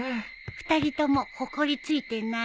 ２人ともほこり付いてない？